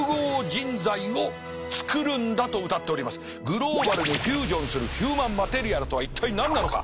グローバルにフュージョンするヒューマンマテリアルとは一体何なのか？